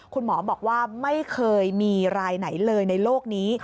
คุณหมอบอกว่าไม่เคยมีรายไหนเลยในโลกนี้